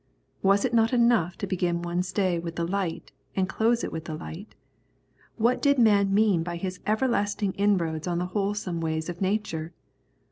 Was it not enough to begin one's day with the light and close it with the light? What did man mean by his everlasting inroads on the wholesome ways of nature?